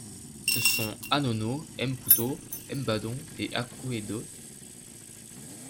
Ce sont Anono, M’pouto, M’badon et Akouédo.